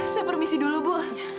saya permisi dulu bu